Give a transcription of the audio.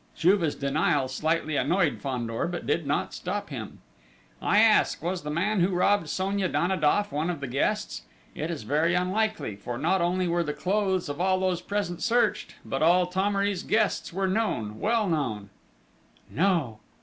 Juve's denial slightly annoyed Fandor, but did not stop him. "I ask: was the man who robbed Sonia Danidoff one of the guests? It is very unlikely; for, not only were the clothes of all those present searched, but all Thomery's guests were known, well known!..." "No!"